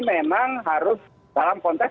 memang harus dalam konteks